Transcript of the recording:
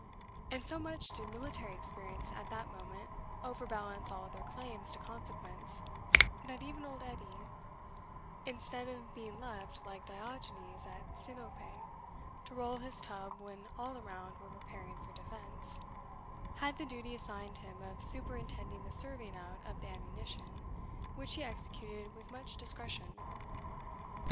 And so much did military experience at that moment overbalance all other claims to consequence, that even old Edie, instead of being left, like Diogenes at Sinope, to roll his tub when all around were preparing for defence, had the duty assigned him of superintending the serving out of the ammunition, which he executed with much discretion.